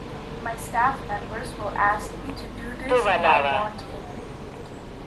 My staff members will ask me to do this, and I want in.